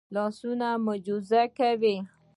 لاسونه معجزې کوي